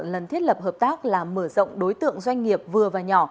lần thiết lập hợp tác là mở rộng đối tượng doanh nghiệp vừa và nhỏ